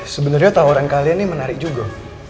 sebenarnya tawaran kalian ini menarik juga